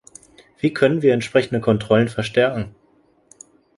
Wie können wir entsprechende Kontrollen verstärken?